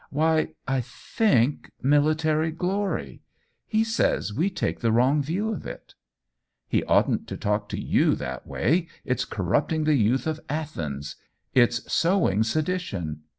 "Why, I think, military glory. He says we take the wrong view of it," "He oughtn't to talk to you that way. It's corrupting the youth of Athens. It's sowing sedition."